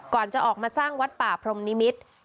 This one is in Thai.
ก่อนจะออกมาสร้างวัดป่าพรมนิมิตร